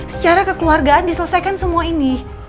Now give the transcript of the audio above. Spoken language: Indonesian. secara kekeluargaan diselesaikan semua ini